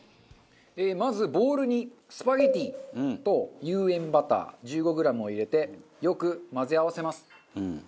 まずボウルにスパゲティと有塩バター１５グラムを入れてよく混ぜ合わせます。